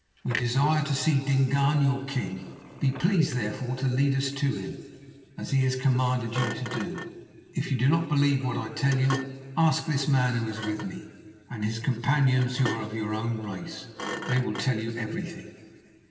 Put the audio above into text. We desire to see Dingaan, your king. Be pleased therefore to lead us to him as he has commanded you to do. If you do not believe what I tell you, ask this man who is with me, and his companions who are of your own race. They will tell you everything."